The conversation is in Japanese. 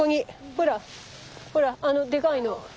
ほらほらあのでかいの。